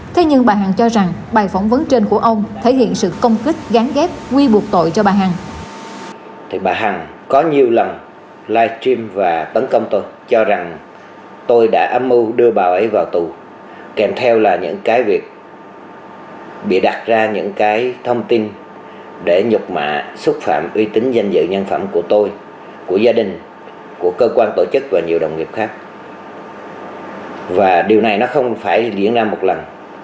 thế nhưng bà hằng cho rằng bài phỏng vấn trên của ông thể hiện sự công kích gán ghép quy buộc tội cho bà hằng